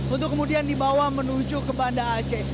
untuk kemudian dibawa menuju ke banda aceh